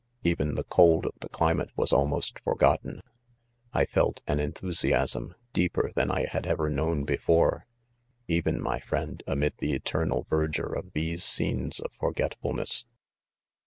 Even the cold of the clim'ate was almost forgotten, I felt. 'an enthusiasm,' deeper than I had ever knownbeforej even, my friend, amid the 'eternal verdure of these scenes • of forgetfulness.